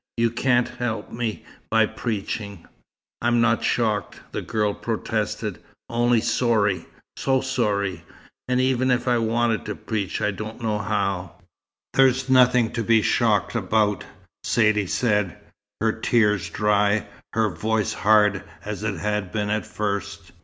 "You can't help me by preaching." "I'm not shocked," the girl protested. "Only sorry so sorry. And even if I wanted to preach, I don't know how." "There's nothing to be shocked about," Saidee said, her tears dry, her voice hard as it had been at first.